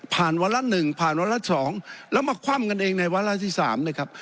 ผ่านวัลส์หนึ่งผ่านวัลส์สองแล้วมาคว่ำกันเองในวัลส์ที่สามนะครับ